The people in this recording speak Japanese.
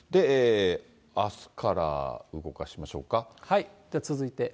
あすから動かしましょうか。